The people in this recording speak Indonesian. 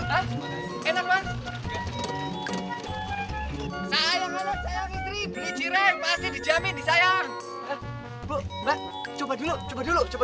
enak enak sayang sayang istri beli jireng pasti dijamin sayang bukma coba dulu coba dulu coba